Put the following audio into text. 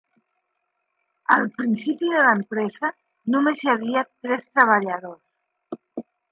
Al principi de l'empresa, només hi havia tres treballadors.